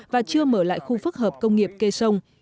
và chưa mở lại khu phức hợp công nghiệp kê sông